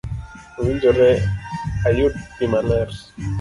owinjore ayud pi maler.